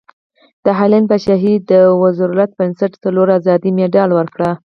د هالنډ پادشاهي د روزولټ بنسټ څلور ازادۍ مډال ورکړ.